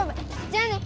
じゃあね！